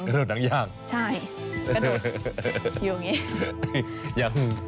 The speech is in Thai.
กระโดดหนังยางใช่กระโดดอยู่อย่างนี้